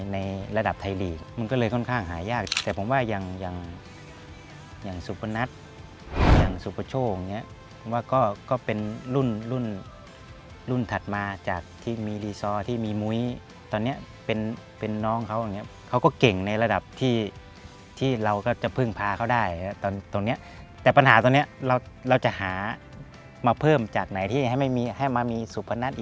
ในระดับไทยลีกมันก็เลยค่อนข้างหายากแต่ผมว่าอย่างอย่างสุพนัทอย่างสุปโชคอย่างเงี้ยผมว่าก็เป็นรุ่นรุ่นถัดมาจากที่มีรีซอร์ที่มีมุ้ยตอนนี้เป็นน้องเขาอย่างนี้เขาก็เก่งในระดับที่เราก็จะพึ่งพาเขาได้ตรงเนี้ยแต่ปัญหาตรงเนี้ยเราเราจะหามาเพิ่มจากไหนที่ให้ไม่มีให้มามีสุพนัท